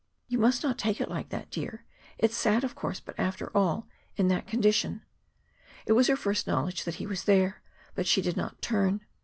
"You must not take it like that, dear. It's sad, of course. But, after all, in that condition " It was her first knowledge that he was there. But she did not turn.